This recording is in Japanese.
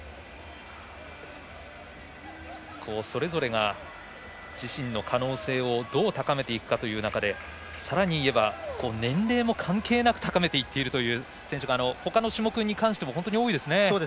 それぞれが、自身の可能性をどう高めていくかという中でさらに言えば年齢も関係なく高めていっているという選手が、ほかの種目に関しても本当に多いですね。